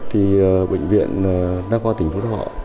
thì bệnh viện đa khoa tỉnh phú thọ